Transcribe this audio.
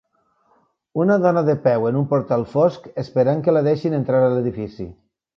Una dona de peu en un portal fosc, esperant a que la deixin entrar a l'edifici.